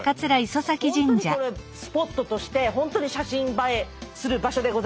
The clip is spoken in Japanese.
本当にこれスポットとして本当に写真映えする場所でございます。